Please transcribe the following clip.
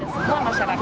ya tentunya kita lihat